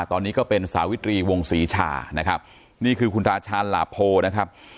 ตอนนี้ก็เป็นสาวิตรีวงศรีชานะครับนี่คือคุณตาชาญหลาโพนะครับ